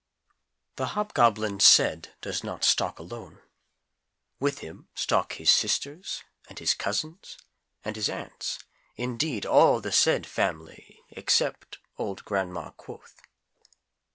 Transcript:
The Hobgoblin SAID does not stalk alone; with him stalk his sisters and his cousins and his aunts, indeed, all the SAID family except old Gran'ma QUOTH.